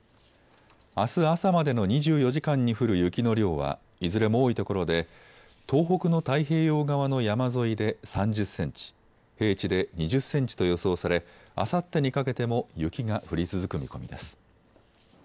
あす朝までの２４時間に降る雪の量はいずれも多いところで東北の太平洋側の山沿いで３０センチ、平地で２０センチと予想されあさってにかけても雪が降り続く見込みです。